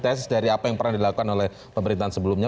proses dari apa yang pernah dilakukan oleh pemerintahan sebelumnya